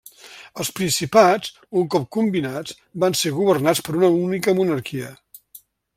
Els Principats, un cop combinats, van ser governats per una única monarquia.